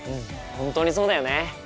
本当にそうだよね。